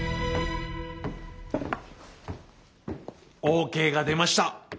オーケーが出ました。